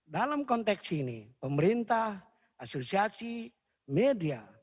dalam konteks ini pemerintah asosiasi media